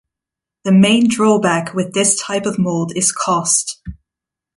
The main drawback with this type of mold is cost.